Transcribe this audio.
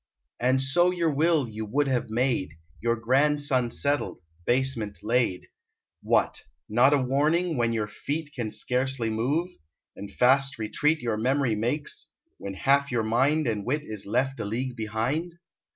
And so your will you would have made, Your grandson settled; basement laid. What! not a warning, when your feet Can scarcely move, and fast retreat Your memory makes, when half your mind And wit is left a league behind?